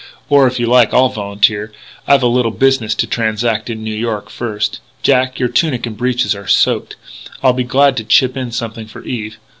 Or, if you like, I'll volunteer.... I've a little business to transact in New York, first.... Jack, your tunic and breeches are soaked; I'll be glad to chip in something for Eve....